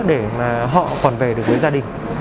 để mà họ còn về được với gia đình